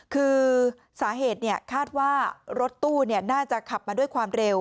คือสาเหตุคาดว่ารถตู้น่าจะขับมาด้วยความเร็ว